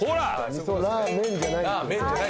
「みそラーメンじゃない」